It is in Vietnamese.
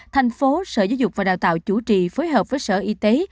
thành phố sở giáo dục và đào tạo chủ trì phối hợp với sở y tế